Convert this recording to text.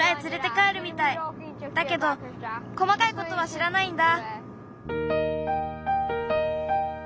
だけどこまかいことはしらないんだ。